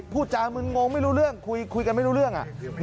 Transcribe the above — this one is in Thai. พูดจามึนงงไม่รู้เรื่องคุยกันไม่รู้เรื่อง